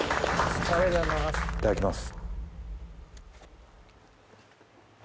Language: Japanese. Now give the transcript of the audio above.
いただきます。